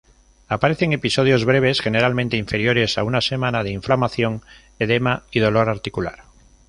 Aparecen episodios breves, generalmente inferiores a una semana, de inflamación, edema y dolor articular.